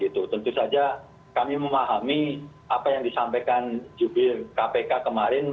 tentu saja kami memahami apa yang disampaikan jubir kpk kemarin